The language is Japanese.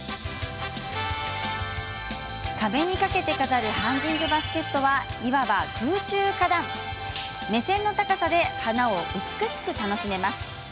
壁に掛けて飾るハンギングバスケットはいわば空中花壇目線の高さで、花を美しく楽しめます。